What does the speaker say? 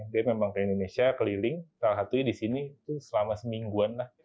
dia memang ke indonesia keliling salah satunya di sini tuh selama semingguan lah